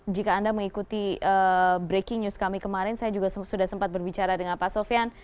jika anda mengikuti breaking news kami kemarin saya juga sudah sempat berbicara dengan pak sofian